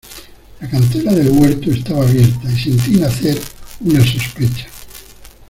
la cancela del huerto estaba abierta, y sentí nacer una sospecha